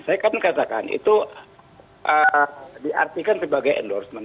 saya kan katakan itu diartikan sebagai endorsement